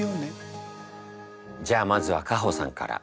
じゃあまずはカホさんから。